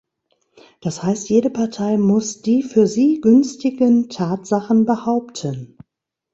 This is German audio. Das heißt, jede Partei muss die für sie günstigen Tatsachen behaupten.